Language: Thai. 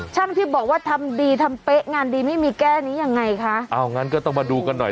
ช่างที่บอกว่าทำดีทำเป๊ะงานดีไม่มีแก้นี้ยังไงคะเอางั้นก็ต้องมาดูกันหน่อย